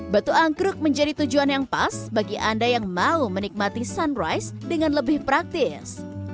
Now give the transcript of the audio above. batu angkruk menjadi tujuan yang pas bagi anda yang mau menikmati sunrise dengan lebih praktis